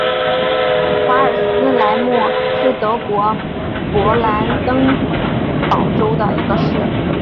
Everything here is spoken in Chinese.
瓦尔斯莱本是德国勃兰登堡州的一个市镇。